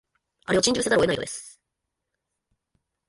あれを珍重せざるを得ないのです